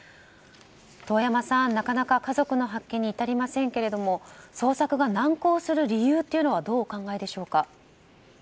遠山さん、なかなか家族の発見に至りませんけども捜索が難航する理由はどうお考えでしょうか。